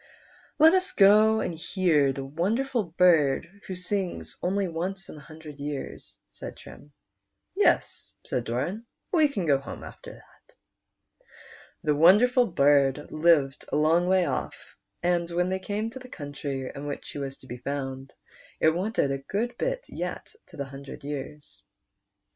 152 PRINCE DO RAN. " Let us go and hear the wonderful bird who sings only once in a hundred years," said Trim. " Yes," said Doran ;" we can go home after that." The wonderful bird lived a long way off, and when they came to the countr}' in which he was to be found, it wanted a good bit yet to the hundred years.